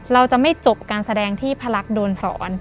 เราจะไม่จบการแสดงที่พระลักษณ์โดนสอน